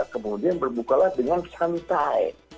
kemudian berbukalah dengan santai